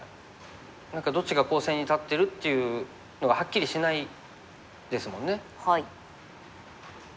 何かどっちが攻勢に立ってるというのがはっきりしないですもんね。